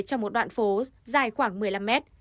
trong một đoạn phố dài khoảng một mươi năm m